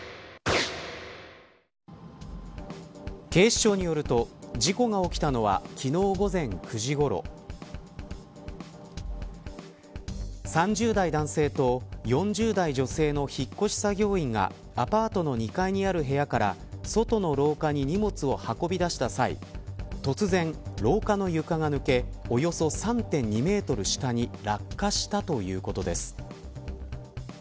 警視庁によると事故が起きたのは昨日午前９時ごろ３０代男性と４０代女性の引っ越し作業員がアパートの２階にある部屋から外の廊下に荷物を運び出した際突然、廊下の床が抜けおよそ３．２メートル下に落下したということです。